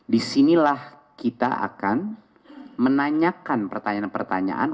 disinilah kita akan menanyakan pertanyaan pertanyaan